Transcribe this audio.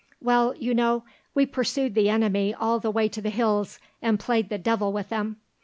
"Well, you know, we pursued the enemy all the way to the hills and played the devil with them.